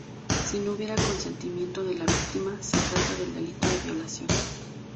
Si no hubiera consentimiento de la víctima, se trata del delito de violación.